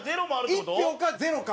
１票か０か。